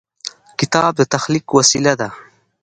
کتاب د تخلیق وسیله ده.